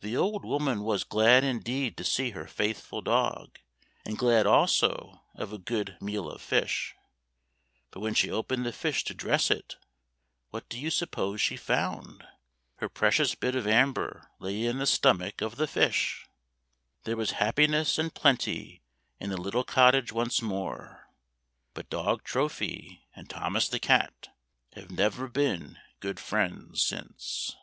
The old woman was glad indeed to see her faithful dog, and glad also of a good meal of fish. But when she opened the fish to dress it, what do you suppose she found? Her precious bit of amber lay in the stomach of the fish! There was happiness and plenty in the little cottage once more — but dog Trophy, and Thomas the cat, have never been good friends since.